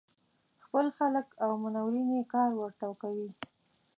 خپل خلک او منورین یې کار ورته کوي.